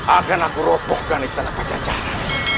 akan aku ropohkan istana pajacara